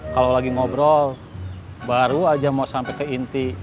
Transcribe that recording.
kalau lagi ngobrol baru aja mau sampai ke inti